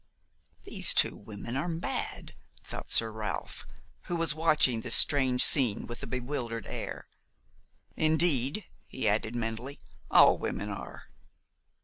"These two women are mad," thought Sir Ralph, who was watching this strange scene with a bewildered air. "Indeed," he added mentally, "all women are."